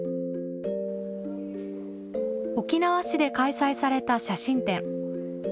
沖縄市で開催された写真展。